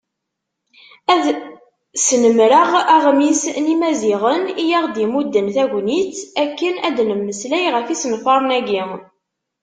Ad snemreɣ Aɣmis n Yimaziɣen i aɣ-d-imudden tagnit akken ad d-nemmeslay ɣef yisenfaren-agi.